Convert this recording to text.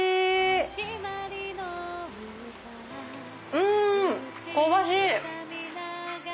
うん！香ばしい！